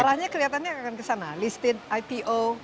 kelihatannya akan ke sana listed ipo